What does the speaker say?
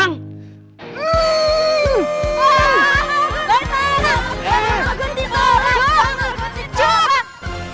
bang ugut ditolak bang ugut ditolak